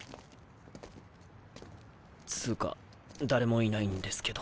つぅか誰もいないんですけど。